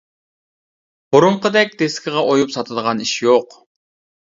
بۇرۇنقىدەك دىسكىغا ئويۇپ ساتىدىغان ئىش يوق.